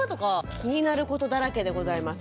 気になることだらけでございます。